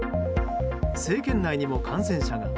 政権内にも感染者が。